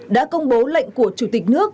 đã công bố lệnh của chủ tịch nước